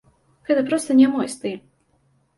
Гэта проста не мой стыль.